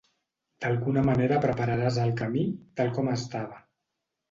D'alguna manera prepararàs el camí, tal com estava.